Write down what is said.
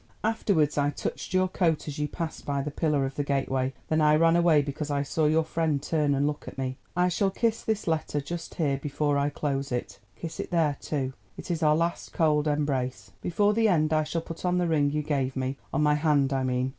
Afterwards I touched your coat as you passed by the pillar of the gateway. Then I ran away because I saw your friend turn and look at me. I shall kiss this letter—just here before I close it—kiss it there too—it is our last cold embrace. Before the end I shall put on the ring you gave me—on my hand, I mean.